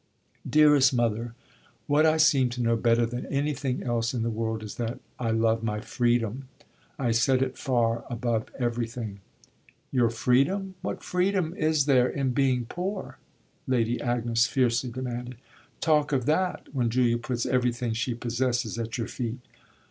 "Dearest mother, what I seem to know better than anything else in the world is that I love my freedom. I set it far above everything." "Your freedom? What freedom is there in being poor?" Lady Agnes fiercely demanded. "Talk of that when Julia puts everything she possesses at your feet!"